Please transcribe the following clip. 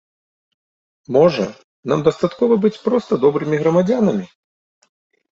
Можа, нам дастаткова быць проста добрымі грамадзянамі?